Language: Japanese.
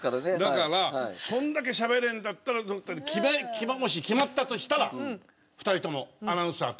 だからそれだけしゃべれるんだったらもし決まったとしたら２人ともアナウンサーと。